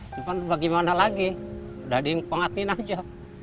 cuman bagaimana lagi sudah dinikmatin saja